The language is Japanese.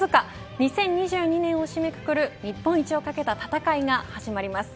２０２２年を締めくくる日本一をかけた戦いが始まります。